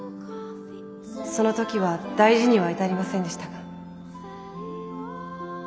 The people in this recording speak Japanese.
その時は大事には至りませんでしたが」。